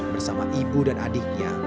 bersama ibu dan adiknya